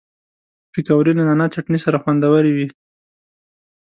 پکورې له نعناع چټني سره خوندورې وي